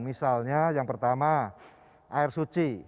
misalnya yang pertama air suci